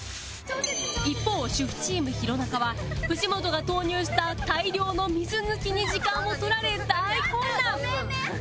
一方主婦チーム弘中は藤本が投入した大量の水抜きに時間を取られ大混乱